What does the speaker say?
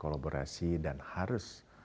kolaborasi dan harus